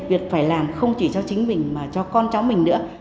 việc phải làm không chỉ cho chính mình mà cho con cháu mình nữa